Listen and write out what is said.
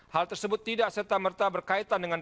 hal tersebut tidak serta merta berkaitan dengan